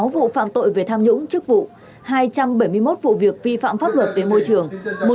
sáu vụ phạm tội về tham nhũng chức vụ hai trăm bảy mươi một vụ việc vi phạm pháp luật về môi trường